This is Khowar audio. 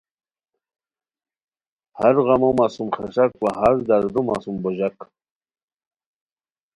ہرغمو مہ سُم خیݰاک وا ہر دردو مہ سُم بوژاک